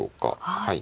はい。